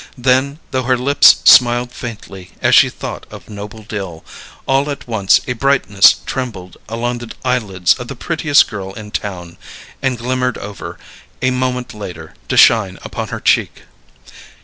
Then, though her lips smiled faintly as she thought of Noble Dill, all at once a brightness trembled along the eyelids of the Prettiest Girl in Town, and glimmered over, a moment later, to shine upon her cheek.